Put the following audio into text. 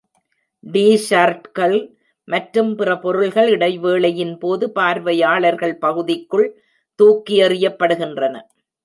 டி-ஷர்ட்கள் மற்றும் பிற பொருள்கள் இடைவேளையின் போது பார்வையாளர்கள் பகுதிக்குள் தூக்கி எறியப்படுகின்றன.